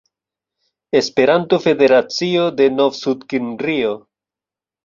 Esperanto-federacio de Novsudkimrio